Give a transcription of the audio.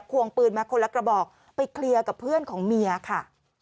ควงปืนมาคนละกระบอกไปเคลียร์กับเพื่อนของเมียค่ะ